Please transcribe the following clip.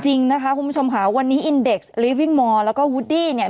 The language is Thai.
จริงนะคะคุณผู้ชมค่ะวันนี้อินเด็กซ์ลิวิ่งมอร์แล้วก็วูดดี้เนี่ย